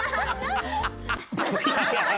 ハハハハ！